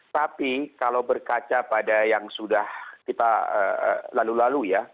tapi kalau berkaca pada yang sudah kita lalu lalu ya